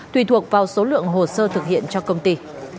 tùy thuộc vào số lượng hồ sơ thực hiện cho công ty